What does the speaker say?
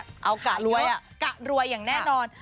ขายเยอะนะครับขายเยอะกะรวยอย่างแน่นอน